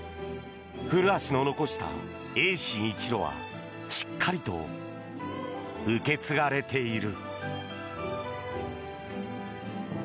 古橋の残した泳心一路はしっかりと受け継がれている。